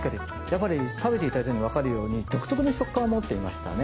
やっぱり食べて頂いてわかるように独特の食感を持っていましたね。